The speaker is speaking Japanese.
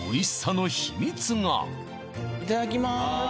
そのいただきます